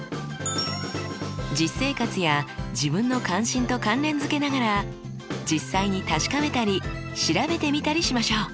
実生活や自分の関心と関連付けながら実際に確かめたり調べてみたりしましょう。